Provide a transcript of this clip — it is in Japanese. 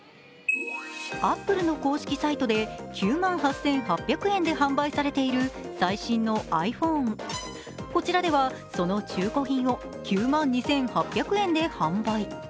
Ａｐｐｌｅの公式サイトで９万８８００円で販売されている最新のｉＰｈｏｎｅ、こちらではその中古品を９万２８００円で販売。